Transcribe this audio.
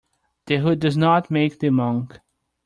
The hood does not make the monk.